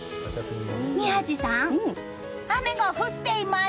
宮司さん、雨が降っています。